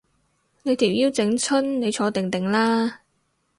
你條腰整親，你坐定定啦